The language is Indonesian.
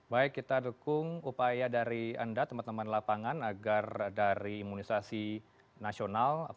baik kita dukung upaya dari anda teman teman lapangan agar dari imunisasi nasional